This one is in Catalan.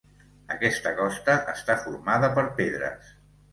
Aquesta costa està formada per pedres.